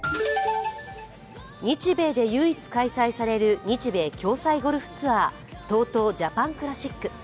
日米で唯一開催される日米共催ゴルフツアー、ＴＯＴＯジャパンクラシック。